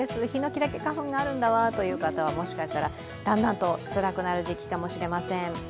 ひのきだけ花粉があるんだわという方はもしかしたら、だんだんとつらくなる時期かもしれません。